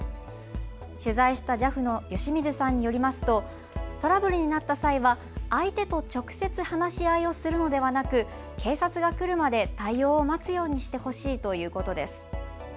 取材したＪＡＦの由水さんによりますと、トラブルになった際は相手と直接話し合いをするのではなく警察が車で対応を待つようにしてほしいということです。